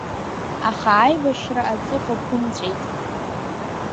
Аха аибашьра аҵыхәа ԥымҵәеит.